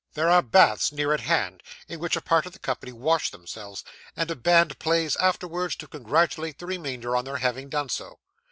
There are baths near at hand, in which a part of the company wash themselves; and a band plays afterwards, to congratulate the remainder on their having done so.